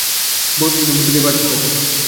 ভোর থেকেই পাঠ করতেছে।